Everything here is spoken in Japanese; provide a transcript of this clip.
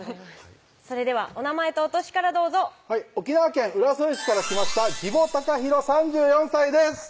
それではお名前とお歳からどうぞはい沖縄県浦添市から来ました宜保貴洋３４歳です